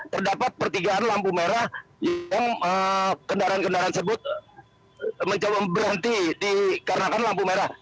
terdapat pertigaan lampu merah yang kendaraan kendaraan tersebut mencoba berhenti dikarenakan lampu merah